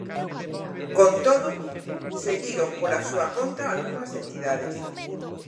Con todo, seguiron pola súa conta algunhas entidades.